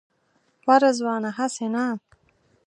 وا رضوانه هسې نه.